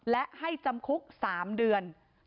และให้จำคุก๓เดือน